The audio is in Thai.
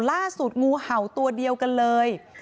ล่าสุดงูเห่าตัวเดียวกันเลย